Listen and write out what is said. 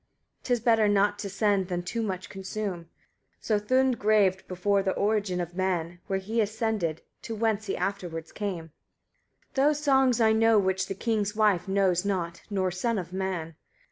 'Tis better not to send than too much consume. So Thund graved before the origin of men, where he ascended, to whence he afterwards came. 148. Those songs I know which the king's wife knows not nor son of man.